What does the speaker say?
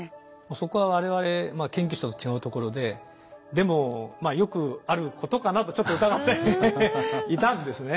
そこは我々研究者と違うところででもまあよくあることかなとちょっと疑っていたんですね。